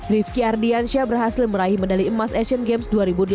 rifki ardiansyah berhasil meraih medali emas asian games dua ribu delapan belas